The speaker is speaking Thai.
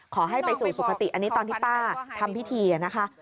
ขอให้ไปสู่สุขติอันนี้ตอนที่ป้าทำพิธีนะคะ